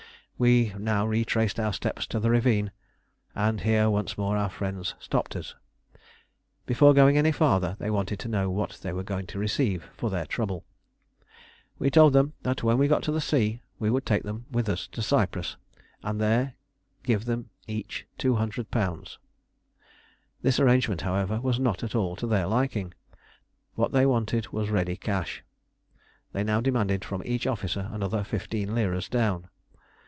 We now retraced our steps up the ravine, and here once more our friends stopped us. Before going any farther, they wanted to know what they were going to receive for their trouble. We told them that when we got to the sea we would take them with us to Cyprus, and there give them each £200. The arrangement, however, was not at all to their liking. What they wanted was ready cash. They now demanded from each officer another fifteen liras down.